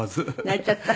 泣いちゃった？